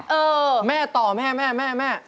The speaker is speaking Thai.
เออแม่ตอบแม่